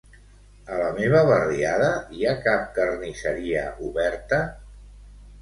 A la meva barriada hi ha cap carnisseria oberta?